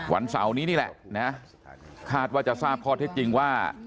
วันเสาร์นี้นี่แหละนะคาดว่าจะทราบข้อเท็จจริงว่า